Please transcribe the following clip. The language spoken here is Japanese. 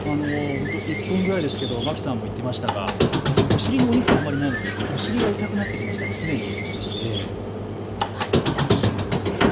１分くらいですがまきさんも言っていましたがお尻のお肉があまりないのでお尻が痛くなってきましたね、すでに。